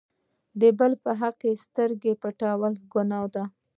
د بل په حق سترګې پټول ګناه ده.